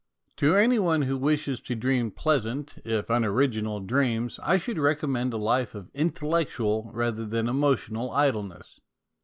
To any one who wishes to dream pleasant, if unoriginal, dreams, I should recommend a life of intellectual rather than emotional idleness.